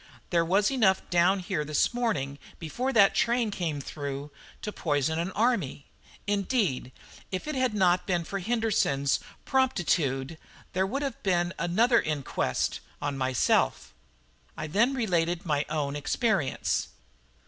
There was enough down here this morning, before that train came through, to poison an army. Indeed, if it had not been for Henderson's promptitude, there would have been another inquest on myself." I then related my own experience.